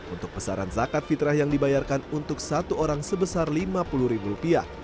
untuk pesaran zakat fitrah yang dibayarkan untuk satu orang sebesar lima puluh ribu rupiah